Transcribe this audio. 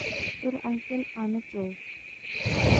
তোর আঙ্কেল আনোচও!